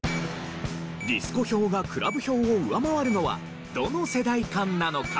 ディスコ票がクラブ票を上回るのはどの世代間なのか？